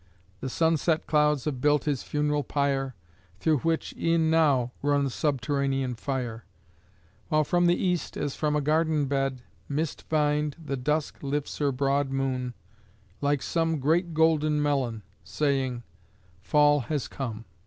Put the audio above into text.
The sunset clouds have built his funeral pyre, Through which, e'en now, runs subterranean fire: While from the East, as from a garden bed, Mist vined, the Dusk lifts her broad moon like some Great golden melon saying, "Fall has come."